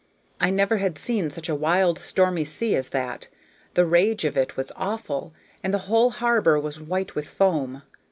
I never had seen such a wild, stormy sea as that; the rage of it was awful, and the whole harbor was white with foam.